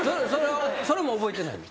それも覚えてないの？